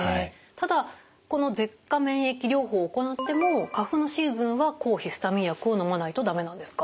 ただこの舌下免疫療法を行っても花粉のシーズンは抗ヒスタミン薬をのまないと駄目なんですか？